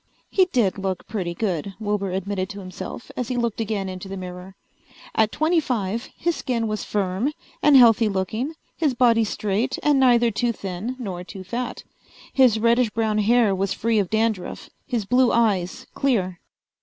He did look pretty good, Wilbur admitted to himself as he looked again into the mirror. At twenty five his skin was firm and healthy looking, his body straight and neither too thin nor too fat. His reddish brown hair was free of dandruff, his blue eyes clear.